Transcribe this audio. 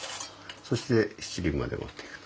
そして七輪まで持っていくと。